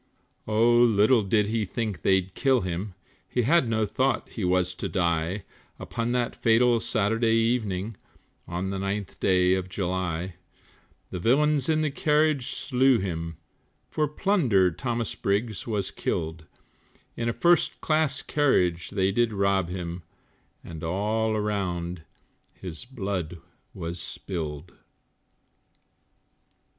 Oh, little did he think they'd kill him, He had no thought he was to die, Upon that fatal Saturday evening, On the 9th day of July; The villains in the carriage slew him, For plunder Thomas Briggs was killed, In a first class carriage they did rob him, And all around his blood was spilled.